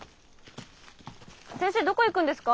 先生どこ行くんですか？